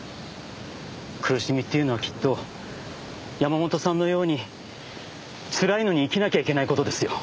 苦しみっていうのはきっと山本さんのようにつらいのに生きなきゃいけない事ですよ。